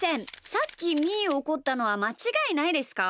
さっきみーをおこったのはまちがいないですか？